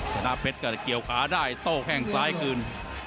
ชนะเพชรก็เกี่ยวขาได้โต้แข้งซ้ายคืน